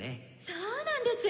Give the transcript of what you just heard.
そうなんです！